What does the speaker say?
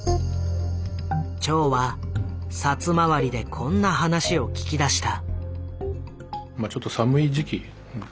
長はサツ回りでこんな話を聞き出した。